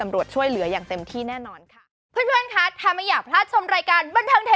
แล้วก็เรียกว่าเออต้องเขาถามกันไง